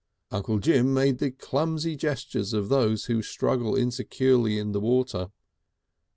Uncle Jim made the clumsy gestures of those who struggle insecurely in the water.